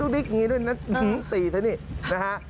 อย่างนี้ด้วยตีเสียนะ